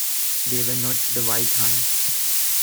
They were not the White Huns.